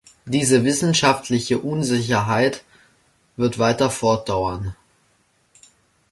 Diese wissenschaftliche Unsicherheit wird weiter fortdauern.